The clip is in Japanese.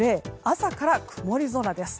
朝から曇り空です。